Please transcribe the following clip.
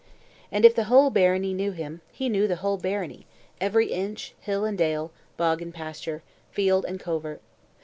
And if the whole barony knew him, he knew the whole barony, every inch, hill and dale, bog and pasture, field and covert.